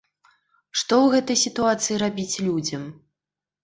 Што ў гэтай сітуацыі рабіць людзям?